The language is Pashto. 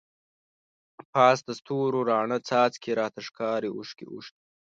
پاس دستورو راڼه څاڅکی، راته ښکاری اوښکی اوښکی